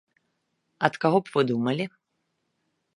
Ад каго б вы думалі?